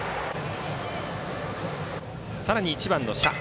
さらに１番の謝。